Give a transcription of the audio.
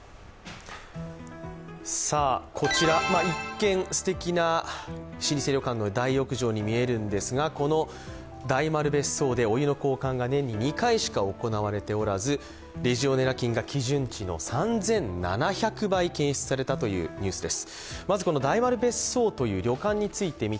こちら、一見すてきな老舗旅館の大浴場に見えるんですが、この大丸別荘でお湯の交換が年２回しか行われておらずレジオネラ菌が基準値の最大３７００倍検出されたというニュースです。